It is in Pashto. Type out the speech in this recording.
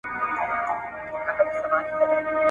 لاعجبه بې انصافه انسانان دي ,